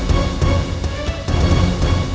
saya mau ke rumah